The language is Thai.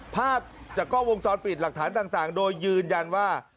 ภาพจากกล้องวงจรปิดหลักฐานต่างโดยยืนยันว่า